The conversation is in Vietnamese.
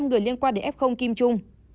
bảy mươi năm người liên quan đến f kim chung